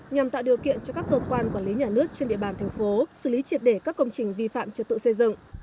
nhằm tạo điều kiện cho các cơ quan quản lý nhà nước trên địa bàn thành phố xử lý triệt để các công trình vi phạm trật tự xây dựng